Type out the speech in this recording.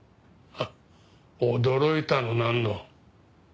ハッ驚いたのなんの。